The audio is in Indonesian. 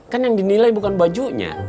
kan yang dinilai bukan bajunya